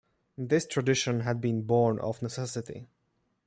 This tradition had been born of necessity.